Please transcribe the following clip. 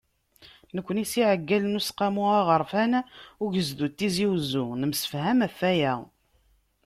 Nekkni s yiɛeggalen n Useqqamu Aɣerfan n Ugezdu n Tizi Uzzu, nemsefham ɣef waya.